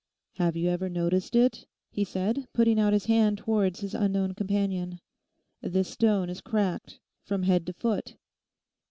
'Have you ever noticed it?' he said, putting out his hand towards his unknown companion; 'this stone is cracked from head to foot?...